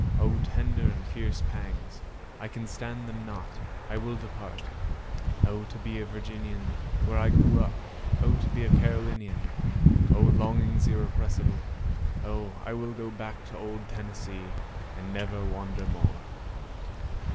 O tender and fierce pangs—I can stand them not—I will depart;O to be a Virginian, where I grew up! O to be a Carolinian!O longings irrepressible! O I will go back to old Tennessee, and never wander more!